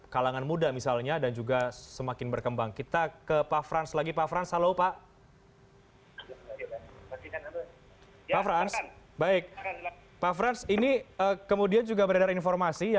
kalau yang bukan keluar dari kami secara resmi